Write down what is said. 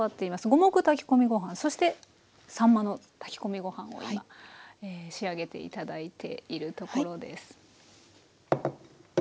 五目炊き込みご飯そしてさんまの炊き込みご飯を今仕上げて頂いているところです。